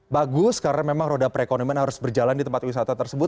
bagus karena memang roda perekonomian harus berjalan di tempat wisata tersebut